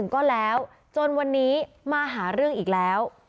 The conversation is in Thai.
ก็แล้วจนวันนี้มาหาเรื่องอีกแล้ว